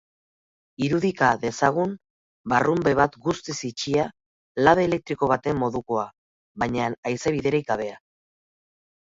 Irudika dezagun barrunbe bat guztiz itxia, labe elektriko baten modukoa, baina haizebiderik gabea.